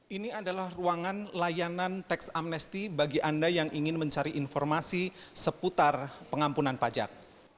ini adalah ruangan layanan teks amnesti bagi anda yang ingin mencari informasi seputar pengampunan pajak